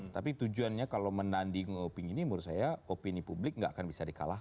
tapi tujuannya kalau menandingi opini ini menurut saya opini publik tidak akan bisa di kalahkan